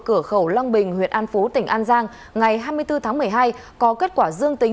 cửa khẩu long bình huyện an phú tỉnh an giang ngày hai mươi bốn tháng một mươi hai có kết quả dương tính